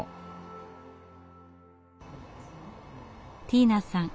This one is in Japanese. ティーナさん